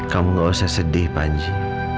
kamu gak usah sedih panji